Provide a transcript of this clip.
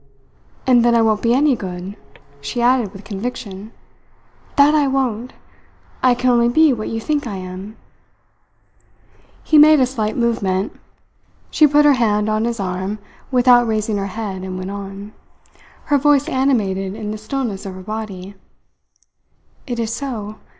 "And then I won't be any good," she added with conviction. "That I won't! I can only be what you think I am." He made a slight movement. She put her hand on his arm, without raising her head, and went on, her voice animated in the stillness of her body: "It is so.